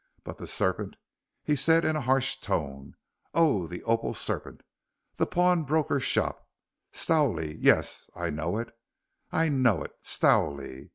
But the serpent," he said in a harsh tone, "oh, the opal serpent! The pawnbroker's shop. Stowley yes I know it. I know it. Stowley.